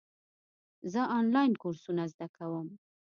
زه آنلاین کورسونه زده کوم.